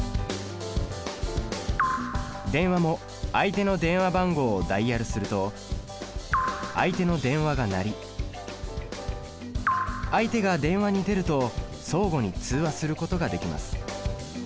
電話も相手の電話番号をダイヤルすると相手の電話が鳴り相手が電話に出ると相互に通話することができます。